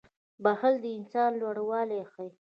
• بښل د انسان لوړوالی ښيي.